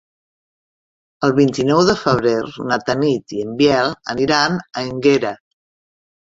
El vint-i-nou de febrer na Tanit i en Biel aniran a Énguera.